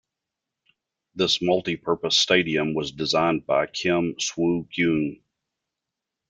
This multi-purpose stadium was designed by Kim Swoo-geun.